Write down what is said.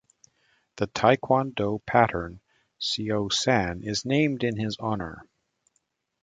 The Taekwon-Do pattern Seo-San is named in his honor.